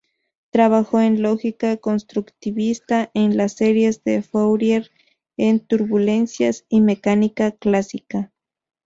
Trabajó en lógica constructivista; en las series de Fourier; en turbulencias y mecánica clásica.